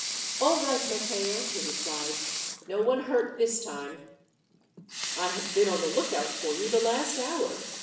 "All right, Matteo!" he replied. "No one hurt this time." "I have been on the lookout for you the last hour.